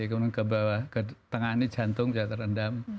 kemudian ke bawah ke tengah ini jantung juga terendam